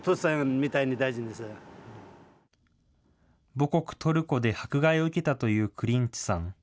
母国、トルコで迫害を受けたというクリンチさん。